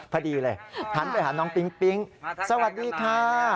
พอดีเลยหันไปหาน้องปิ๊งปิ๊งสวัสดีค่ะ